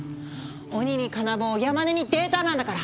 鬼に金棒山根にデータなんだから！